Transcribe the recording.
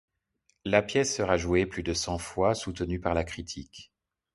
La pièce sera jouée plus de cent fois, soutenue par la critique.